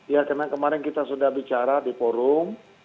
ya karena kemarin kita sudah bicara di forum